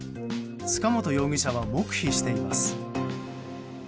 塚本容疑者は黙秘しています。